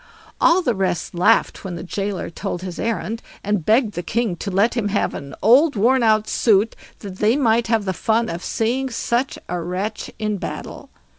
All the rest laughed when the gaoler told his errand, and begged the king to let him have an old worn out suit, that they might have the fun of seeing such a wretch in battle.